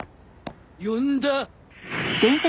呼んだ？